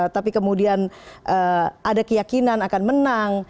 tapi kemudian ada keyakinan akan menang